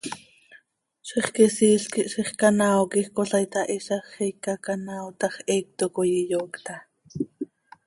Zixquisiil quih ziix canaao quij cola itahizaj, xiica canaaotaj heecto coi iyoocta.